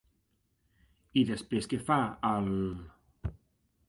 I després què fa, al...?